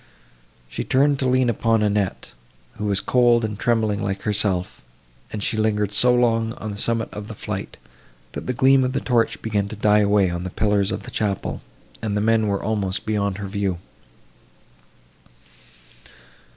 She turned to lean upon Annette, who was cold and trembling like herself, and she lingered so long on the summit of the flight, that the gleam of the torch began to die away on the pillars of the chapel, and the men were almost beyond her view.